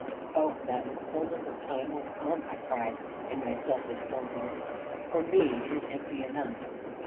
"Oh, that the fulness of time were come!" I cried in my selfish loneliness; "for me it is empty enough."